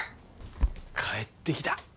帰ってきた。